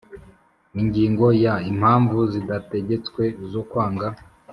Ingingo ya impamvu zidategetswe zo kwanga